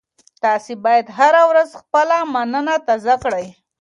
تاسي باید هره ورځ خپله مننه تازه کړئ.